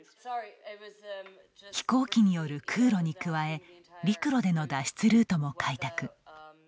飛行機による空路に加え陸路での脱出ルートも開拓。